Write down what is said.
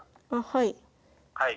はい。